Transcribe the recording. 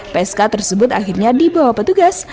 psk tersebut akhirnya dibawa petugas